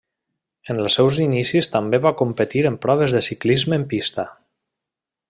En els seus inicis també va competir en proves de ciclisme en pista.